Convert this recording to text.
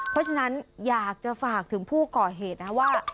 เพราะฉะนั้นอยากจะฝากถึงผู้ก่อเหตุนะว่า